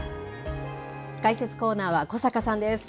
解説コーナーは、小坂さんです。